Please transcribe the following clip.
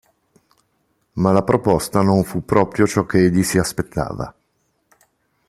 Ma la proposta non fu proprio ciò che egli si aspettava.